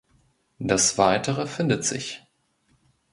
Das Weitere findet sich.